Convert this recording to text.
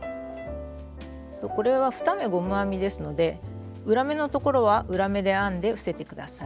これは２目ゴム編みですので裏目のところは裏目で編んで伏せて下さい。